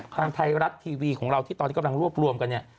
ทางไทยรัฐทีวีของเราที่ตอนนี้กำลังรวบรวมกันเนี่ย